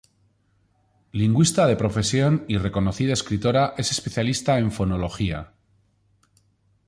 Lingüista de profesión y reconocida escritora, es especialista en fonología.